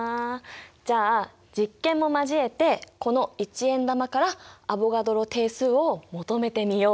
じゃあ実験も交えてこの１円玉からアボガドロ定数を求めてみよう。